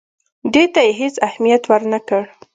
دې ته یې هېڅ اهمیت ورنه کړ.